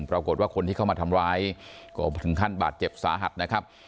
ปรากฏว่าคนที่เข้ามาทำร้ายก็ถึงขั้นบาดเจ็บสาหัสนะครับ